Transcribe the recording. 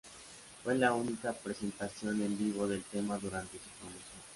Fue la única presentación en vivo del tema durante su promoción.